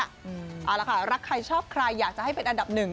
เอาละค่ะรักใครชอบใครอยากจะให้เป็นอันดับหนึ่ง